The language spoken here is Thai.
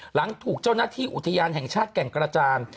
หลังถูกเจ้าหน้าที่อุทยานแห่งชาติแก่งกระจาน